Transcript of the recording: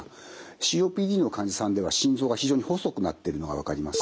ＣＯＰＤの患者さんでは心臓が非常に細くなってるのが分かります。